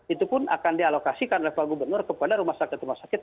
itu pun akan dialokasikan oleh pak gubernur kepada rumah sakit rumah sakit